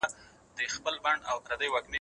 احمد شاه ابدالي څنګه د خپلي واکمنۍ اصول جوړ کړل؟